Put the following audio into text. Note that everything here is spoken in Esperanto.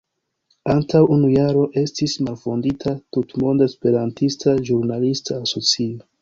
Antaŭ unu jaro estis malfondita Tutmonda Esperantista Ĵurnalista Asocio.